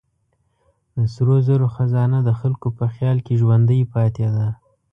د سرو زرو خزانه د خلکو په خیال کې ژوندۍ پاتې ده.